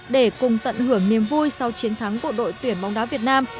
để cùng tận hưởng niềm vui sau chiến thắng của đội tuyển bóng đá việt nam